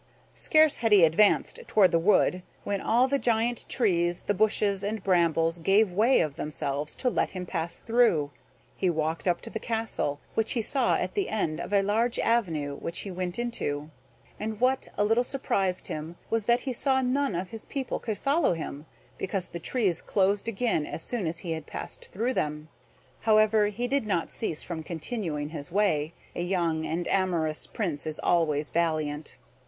Scarce had he advanced toward the wood when all the great trees, the bushes, and brambles gave way of themselves to let him pass through; he walked up to the castle which he saw at the end of a large avenue which he went into; and what a little surprised him was that he saw none of his people could follow him, because the trees closed again as soon as he had passed through them. However, he did not cease from continuing his way; a young and amorous prince is always valiant.